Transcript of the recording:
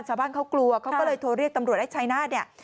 ชาวบ้านเขากลัวเขาก็เลยโทรเรียกตำรวจชัยนาธิ์